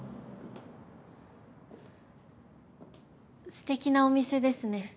すてきなお店ですね。